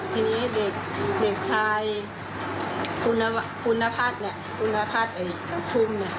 ทีนี้เด็กชายคุณภัทรคุณภัทรคุม